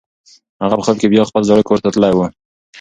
هغه په خوب کې بیا خپل زاړه کور ته تللې وه.